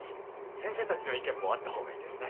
先生たちの意見もあった方がいいですね。